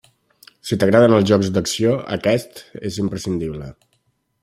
Si t'agraden els jocs d’acció, aquest és imprescindible.